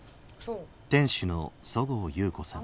店主の十河裕子さん。